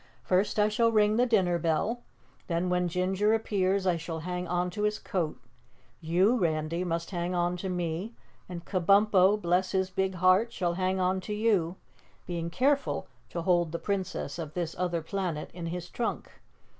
First I shall ring the dinner bell, then when Ginger appears, I shall hang on to his coat; you, Randy, must hang on to me and Kabumpo, bless his big heart, shall hang on to you, being careful to hold the Princess of this Other Planet in his trunk.